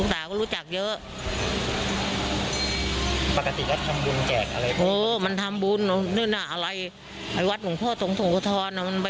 บริจาคให้ที่ไหนครับ